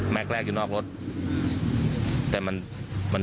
พวกมันต้องกินกันพี่